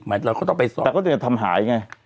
หลายฝันมันตรงไปสอบแต่ก็เดี๋ยวทำหายไง